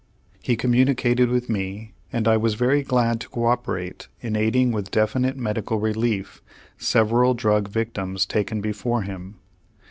He communicated with me, and I was very glad to coöperate in aiding with definite medical relief several drug victims taken before him.